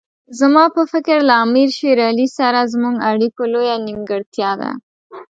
زما په فکر له امیر شېر علي سره زموږ اړیکو لویه نیمګړتیا ده.